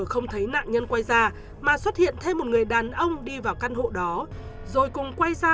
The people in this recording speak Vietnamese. không thấy nạn nhân quay ra mà xuất hiện thêm một người đàn ông đi vào căn hộ đó rồi cùng quay ra